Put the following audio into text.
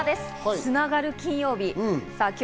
つながる金曜日。